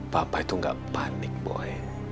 papa itu nggak panik boy